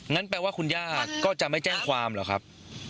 แปลว่าคุณย่าก็จะไม่แจ้งความเหรอครับ